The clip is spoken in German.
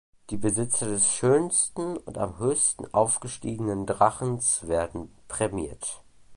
Die Besitzer des schönsten und am höchsten aufgestiegenen Drachens werden prämiert.